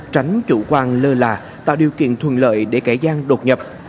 tránh chủ quan lơ là tạo điều kiện thuận lợi để kẻ gian đột nhập